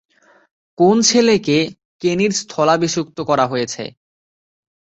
কোন ছেলেকে কেনির স্থলাভিষিক্ত করা হয়েছে?